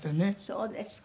そうですか。